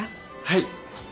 はい。